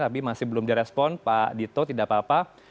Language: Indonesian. tapi masih belum direspon pak dito tidak apa apa